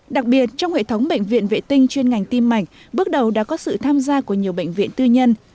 đặc biệt trong hệ thống bệnh viện vệ tinh chuyên ngành tim mạch bước đầu đã có sự tham gia của nhiều bệnh viện tư nhân